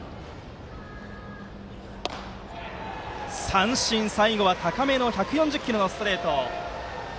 三振、最後は高めの１４０キロのストレート。